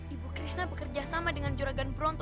ibu krisna bekerja sama dengan juragan bronto